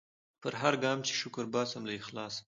پر هرګام چي شکر باسم له اخلاصه